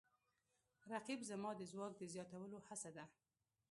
رقیب زما د ځواک د زیاتولو هڅه ده